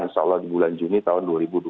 insya allah di bulan juni tahun dua ribu dua puluh